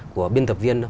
của biên tập viên đâu